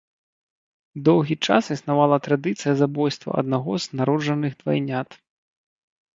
Доўгі час існавала традыцыя забойства аднаго з народжаных двайнят.